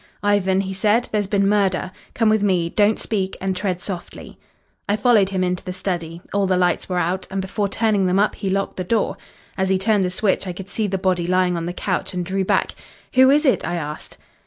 "'Ivan,' he said, 'there's been murder. Come with me. Don't speak, and tread softly.' "I followed him into the study. All the lights were out, and before turning them up he locked the door. As he turned the switch I could see the body lying on the couch, and drew back. 'Who is it?' I asked.